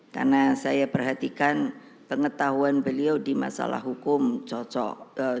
karena saya perhatikan pengetahuan beliau di masalah hukum cocok